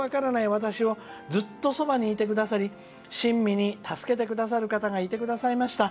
私をずっとそばにいてくださり親身に助けてくださる方がいらっしゃいました。